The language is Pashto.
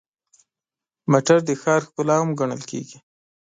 موټر د ښار ښکلا هم ګڼل کېږي.